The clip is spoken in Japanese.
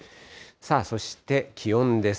そして気温です。